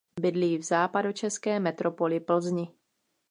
Bydlí v západočeské metropoli Plzni.